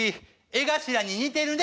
江頭に似てるね」。